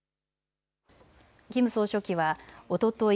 キム総書記はおととい